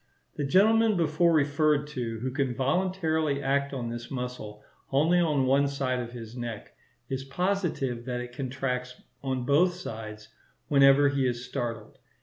The gentleman before referred to, who can voluntarily act on this muscle only on one side of his neck, is positive that it contracts on both sides whenever he is startled.